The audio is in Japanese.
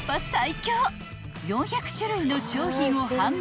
［４００種類の商品を販売］